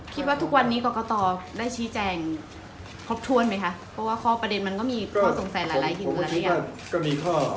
คิดว่าทุกวันนี้กรกตได้ชี้แจงครบถ้วนไหมคะเพราะว่าข้อประเด็นมันก็มีข้อสงสัยหลายอย่างมาหรือยัง